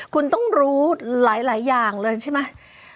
คุณต้องรู้หลายอย่างเลยใช่ไหม